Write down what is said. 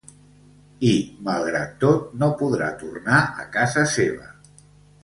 I, malgrat tot, no podrà tornar a casa seva.